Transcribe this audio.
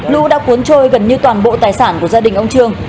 lũ đã cuốn trôi gần như toàn bộ tài sản của gia đình ông trương